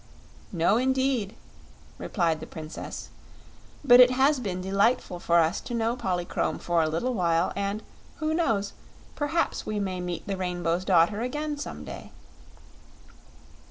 "No indeed," replied the Princess; "but it has been delightful for us to know Polychrome for a little while, and who knows? perhaps we may meet the Rainbow's Daughter again, some day."